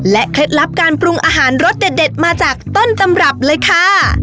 เคล็ดลับการปรุงอาหารรสเด็ดมาจากต้นตำรับเลยค่ะ